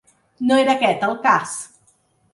No era aquest el cas.